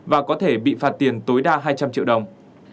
và có thể bị phạt tiền tối đa hai trăm linh triệu đồng